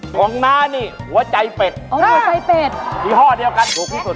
ของน้านี่หัวใจเป็ดหัวใจเป็ดยี่ห้อเดียวกันถูกที่สุด